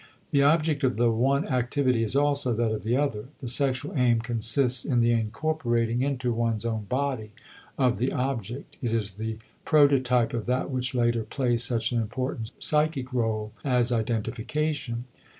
The object of the one activity is also that of the other, the sexual aim consists in the incorporating into one's own body of the object, it is the prototype of that which later plays such an important psychic rôle as identification.